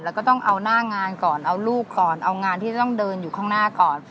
แล้วก็ต้องเอาหน้างานก่อนเอาลูกก่อนเอางานที่จะต้องเดินอยู่ข้างหน้าก่อน